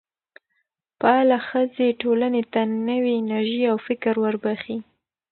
فعاله ښځې ټولنې ته نوې انرژي او فکر وربخښي.